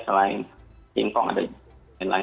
selain singkong ada yang lain